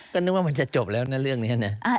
ก็นึกว่ามันจะจบแล้วนะเรื่องนี้นะ